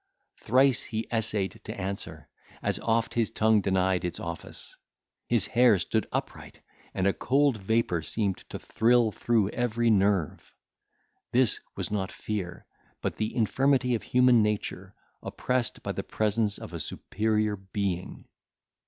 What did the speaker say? Thrice he essayed to answer; as oft his tongue denied its office. His hair stood upright, and a cold vapour seemed to thrill through every nerve. This was not fear, but the infirmity of human nature, oppressed by the presence of a superior being.